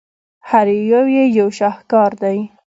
هر یو یې یو شاهکار دی.